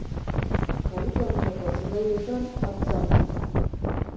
Kaliforniako zelaietan artzain.